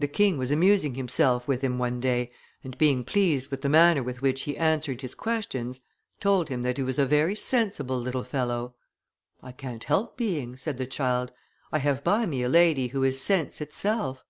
The king was amusing himself with him one day, and, being pleased with the manner with which he answered his questions, told him that he was a very sensible little fellow. 'I can't help being,' said the child, 'I have by me a lady who is sense itself.